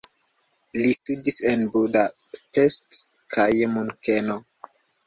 Li studis en Budapest kaj Munkeno.